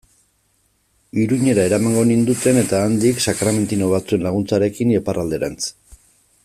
Iruñera eramango ninduten, eta handik, sakramentino batzuen laguntzarekin, Iparralderantz.